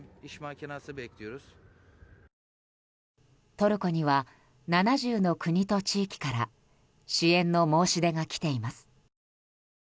トルコには７０の国と地域から支援の申し出が来ています。